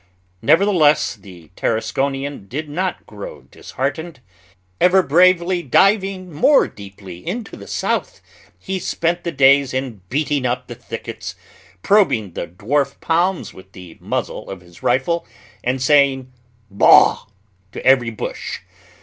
Nevertheless, the Tarasconian did not grow disheartened. Ever bravely diving more deeply into the South, he spent the days in beating up the thickets, probing the dwarf palms with the muzzle of his rifle, and saying "Boh!" to every bush.